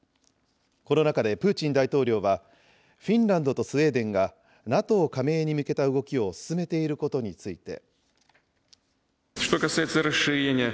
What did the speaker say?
この中でプーチン大統領は、フィンランドとスウェーデンがＮＡＴＯ加盟に向けた動きを進めていることについて。